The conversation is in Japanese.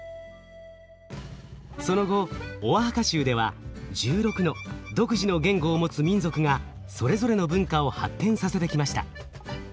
その後オアハカ州では１６の独自の言語を持つ民族がそれぞれの文化を発展させてきました。